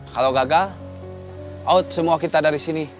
kalau gagal out semua kita dari sini